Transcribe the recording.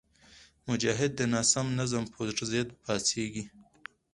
مجاهد د ناسم نظام پر ضد پاڅېږي.